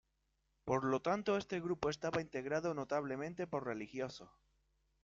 Por lo tanto, este grupo estaba integrado notablemente por religiosos.